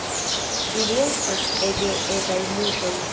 Ili estas ege etaj muŝoj.